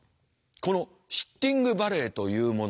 このシッティングバレーというもの